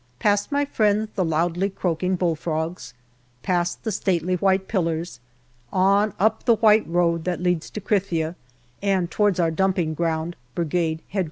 Past my friends the loudly croaking bull frogs, past the stately white pillars, on up the white road that leads to Krithia and towards our dumping ground Brigade H.Q.